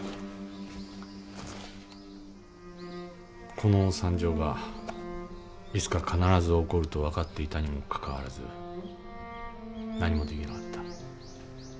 この惨状がいつか必ず起こると分かっていたにもかかわらず何もできなかった。